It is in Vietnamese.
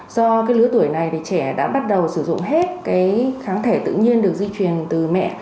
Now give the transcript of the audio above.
do lứa tuổi này trẻ đã bắt đầu sử dụng hết kháng thể tự nhiên được di truyền từ mẹ